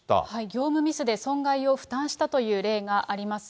業務ミスで損害を負担したという例があります。